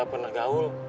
nggak ada yang kayak lu